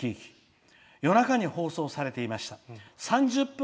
「夜中に放送されていました。